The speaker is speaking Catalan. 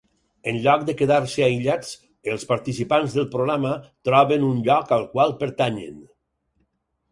Enlloc de quedar-se aïllats, els participants del programa troben un lloc al qual pertanyen.